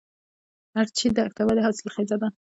ارچي دښته ولې حاصلخیزه ده؟